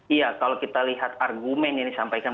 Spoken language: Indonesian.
iya kalau kita lihat argumen ini sampaikan